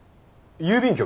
郵便局？